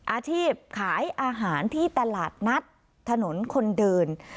อาชีพขายอาหารที่ตลาดนัดถนนคนเดิน